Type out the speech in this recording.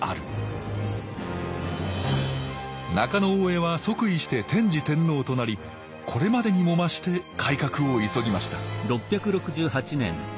中大兄は即位して天智天皇となりこれまでにも増して改革を急ぎました